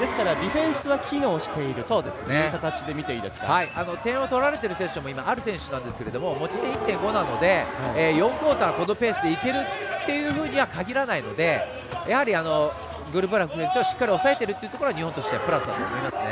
ですからディフェンスは機能しているということで点を取られている選手もアル選手なんですが持ち点１．５なので４クオーター、このペースでいけるというふうにはかぎらないのでやはりグルブラク選手をしっかり抑えているところは日本としてはプラスですね。